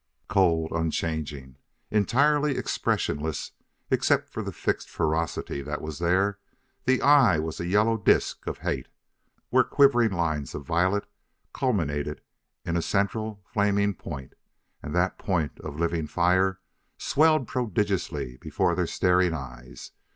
Cold, unchanging, entirely expressionless except for the fixed ferocity that was there, the eye was a yellow disk of hate, where quivering lines of violet culminated in a central, flaming point; and that point of living fire swelled prodigiously before their staring eyes.